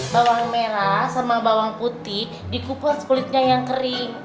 bawang merah sama bawang putih dikukus kulitnya yang kering